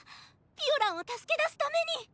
ピオランを助け出すために！